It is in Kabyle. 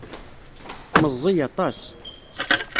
Meẓẓiy aṭas.